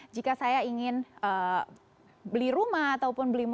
jika saya ingin beli rumah ataupun beli mobil